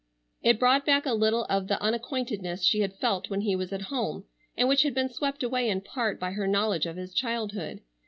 It brought back a little of the unacquaintedness she had felt when he was at home, and which had been swept away in part by her knowledge of his childhood.